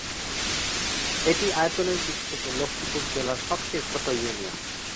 এটি আয়তনের দিক থেকে লক্ষ্মীপুর জেলার সবচেয়ে ছোট ইউনিয়ন।